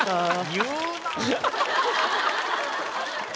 言うなぁ。